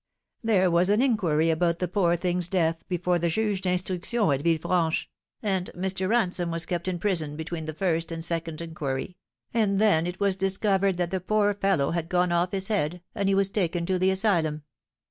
There was an inquiry about the poor thing's death before the Juge d'Instruction at Villefranche, and Mr. Ransome was kept in prison between the first and second inquiry, and then it was discovered that the poor fellow had gone off his head, and he was taken to the asylum.